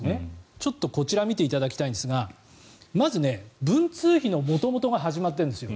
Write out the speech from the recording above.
ちょっとこちら見ていただきたいんですがまず、文通費の元々が始まってるんですよ。